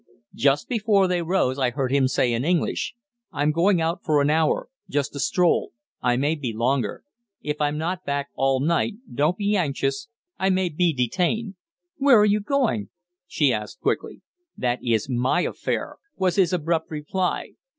Just before they rose I heard him say in English "I'm going out for an hour just for a stroll. I may be longer. If I'm not back all night, don't be anxious. I may be detained." "Where are you going?" she asked quickly. "That is my affair," was his abrupt reply.